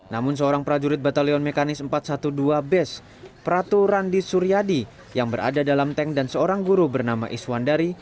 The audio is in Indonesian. namun seorang prajurit batalion mekanis empat ratus dua belas bes prato randi suryadi yang berada dalam tank dan seorang guru bernama iswandari